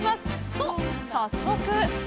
と、早速。